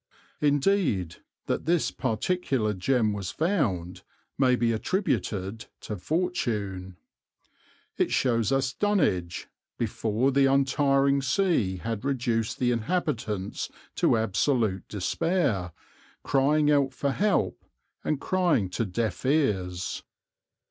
Indeed that this particular gem was found may be attributed to fortune. It shows us Dunwich, before the untiring sea had reduced the inhabitants to absolute despair, crying out for help, and crying to deaf ears.